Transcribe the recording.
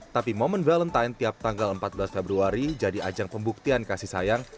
tapi momen valentine tiap tanggal empat belas februari jadi ajang pembuktian kasih sayang